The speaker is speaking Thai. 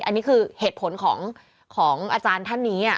อันนี้คือเหตุผลของอาจารย์ท่านนี้